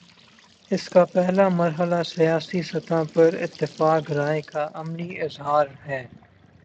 اس کا پہلا مرحلہ سیاسی سطح پر اتفاق رائے کا عملی اظہار ہے۔